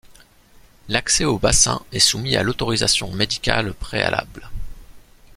L'accès au bassin est soumis à autorisation médicale préalable.